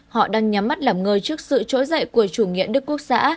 họ đang nhắm mắt lầm ngơi trước sự trỗi dậy của chủ nghĩa đức quốc xã